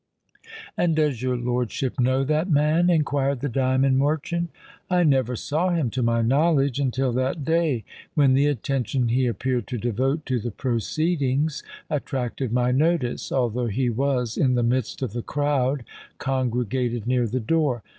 "And does your lordship know that man?" inquired the diamond merchant. "I never saw him, to my knowledge, until that day, when the attention he appeared to devote to the proceedings attracted my notice—although he was in the midst of the crowd congregated near the door.